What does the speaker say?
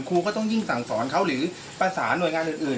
ครูก็ต้องยิ่งสั่งสอนเขาหรือประสานหน่วยงานอื่น